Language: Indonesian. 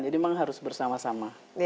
jadi memang harus bersama sama